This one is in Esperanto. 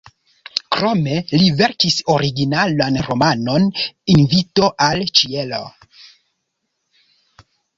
Krome li verkis originalan romanon "Invito al ĉielo".